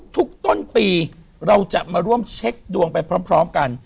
ทุกต้นปีเราจะมาร่วมเช็คดวงไปพร้อมกัน